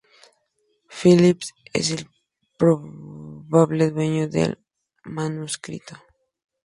Philipp es el probable dueño del manuscrito.